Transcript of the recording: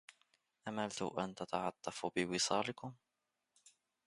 أملت أن تتعطفوا بوصالكم